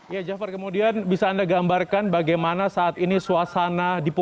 ya jafar kemudian bisa anda gambarkan bagaimana saat ini suasana di papua